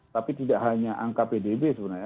tapi tidak hanya angka pdb sebenarnya